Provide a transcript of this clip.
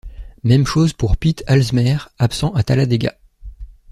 Même chose pour Pete Halsmer, absent à Talladega.